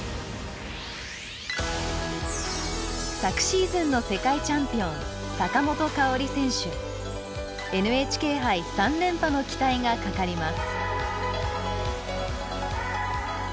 昨シーズンの世界チャンピオンＮＨＫ杯３連覇の期待がかかります。